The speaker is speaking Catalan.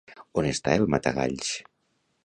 On està el Matagalls?